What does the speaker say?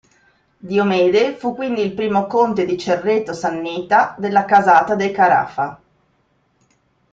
Diomede fu quindi il primo conte di Cerreto Sannita della casata dei Carafa.